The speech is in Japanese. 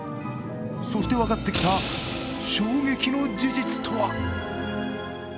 そして分かってきた衝撃の事実とは。